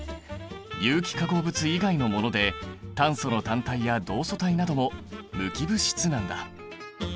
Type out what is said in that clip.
有機化合物以外のもので炭素の単体や同素体なども無機物質なんだ。